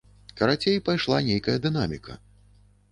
Карацей, пайшла нейкая дынаміка.